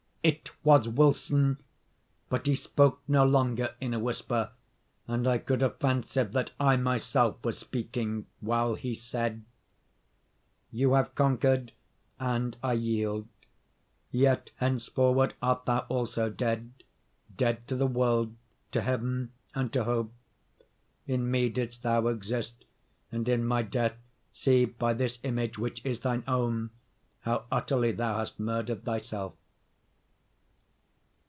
It was Wilson; but he spoke no longer in a whisper, and I could have fancied that I myself was speaking while he said: _"You have conquered, and I yield. Yet, henceforward art thou also dead—dead to the World, to Heaven and to Hope! In me didst thou exist—and, in my death, see by this image, which is thine own, how utterly thou hast murdered thyself."